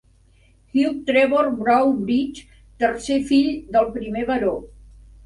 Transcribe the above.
Hugh Trevor Broadbridge, tercer fill del primer baró.